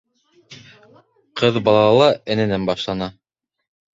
Ҡыҙ балала энәнән башлана.